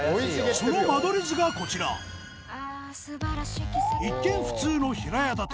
その間取り図がこちら一見普通の平屋建て